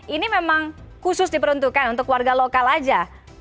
ini memang khusus diperuntukkan untuk warga lokal aja